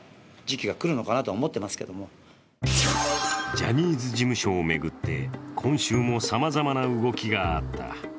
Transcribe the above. ジャニーズ事務所を巡って今週もさまざまな動きがあった。